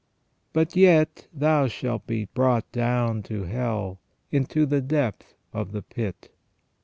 But yet thou shalt be brought down to hell, into the depth of the pit."